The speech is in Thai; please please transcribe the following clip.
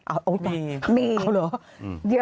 อ้าวจะอ้าวเหรอเยอะมี